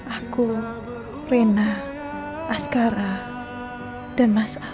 aku lena askara dan mas al